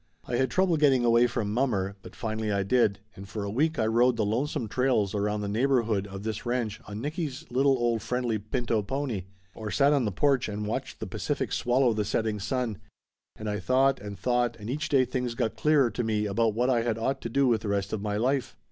I had trouble getting away from mommer but finally I did, and for a week I rode the lonesome trails around the neighborhood of this ranch on Nicky's little old friendly pinto pony, or sat on the porch and watched the Pacific swallow the setting sun, and I thought and thought and each day things got clearer to me about what I had ought to do with the rest of my life.